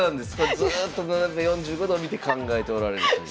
ずっと斜め４５度を見て考えておられるという。